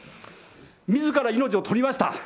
みずから命をとりました。